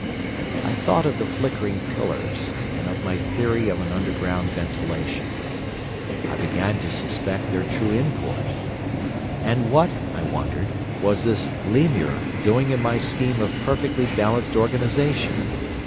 "I thought of the flickering pillars and of my theory of an underground ventilation. I began to suspect their true import. And what, I wondered, was this Lemur doing in my scheme of a perfectly balanced organisation?